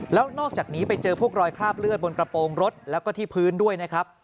แล้วนอกจากนี้ไปเจอพวกรอยคราบเลือดบนกระโปรงรถแล้วก็ที่พื้นด้วยนะครับ